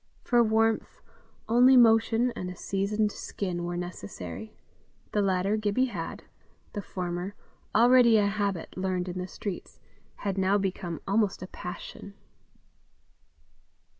For warmth, only motion and a seasoned skin were necessary: the latter Gibbie had; the former, already a habit learned in the streets, had now become almost a passion.